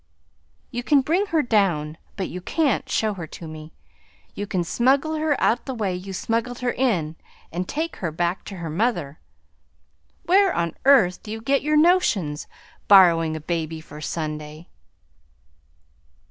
"You can bring her down, but you can't show her to me! You can smuggle her out the way you smuggled her in and take her back to her mother. Where on earth do you get your notions, borrowing a baby for Sunday!"